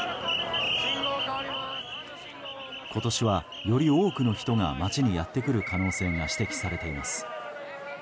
今年はより多くの人が街にやってくる可能性が指摘されます。